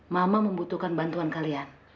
mama membutuhkan bantuan kalian